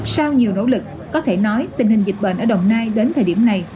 sau nhiều nỗ lực có thể nói tình hình dịch bệnh ở đồng nai đến thời điểm này